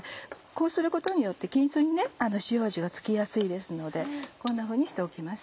こうすることによって均一に塩味がつきやすいですのでこんなふうにしておきます。